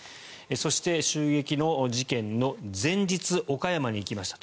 そして襲撃の事件の前日岡山に行きました。